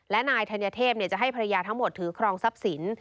และนายธัญเทพจะให้ภรรยาทั้งหมดถือครองทรัพย์สิน